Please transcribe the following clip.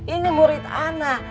ini murid anak